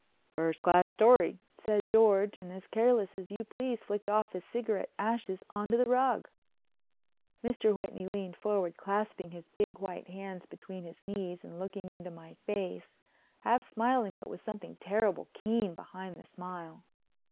"First class story," said George, and as careless as you please flicked off his cigarette ashes on the rug. Mr. Whitney leaned forward clasping his big white hands between his knees and looking into my face, half smiling but with something terrible keen behind the smile.